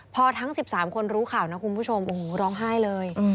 พอทั้ง๑๓คนรู้ข่าวนะคุณผู้ชมโอ้โหร้องไห้เลย